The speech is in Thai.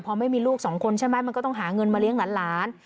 พอไม่มีลูกสองคนใช่ไหมมันก็ต้องหาเงินมาเลี้ยงหลาน